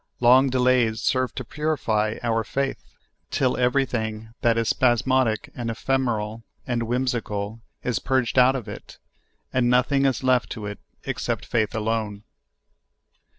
Long delays serve to purify our faith, till everything that is spasmodic and ephemeral and whimsical is purged out of it, and nothing is left to it except faith alone.